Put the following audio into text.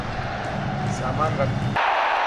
سامان رک.